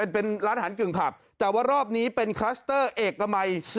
เป็นร้านอาหารกึ่งผับแต่ว่ารอบนี้เป็นคลัสเตอร์เอกมัย๔